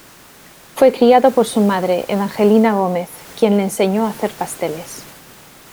Fue criado por su madre, Evangelina Gómez, quien le enseñó a hacer pasteles.